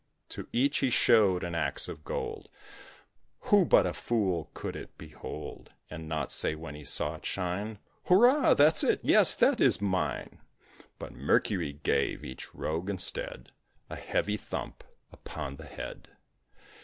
To each he showed an axe of gold Who but a fool could it behold, And not say, when he saw it shine "Hurrah! that's it yes, that is mine?" But Mercury gave each rogue instead A heavy thump upon the head.